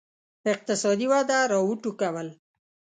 اقتصادي وده را وټوکول.